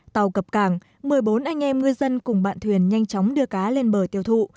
tàu cập cảng một mươi bốn anh em ngư dân cùng bạn thuyền nhanh chóng đưa cá lên bờ tiêu thụ